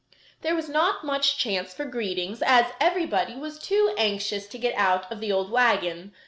There was not much chance for greetings as everybody was too anxious to get out of the old wagon.